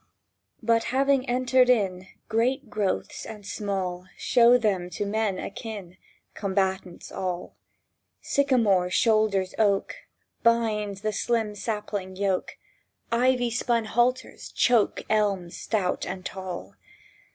But, having entered in, Great growths and small Show them to men akin— Combatants all! Sycamore shoulders oak, Bines the slim sapling yoke, Ivy spun halters choke Elms stout and tall.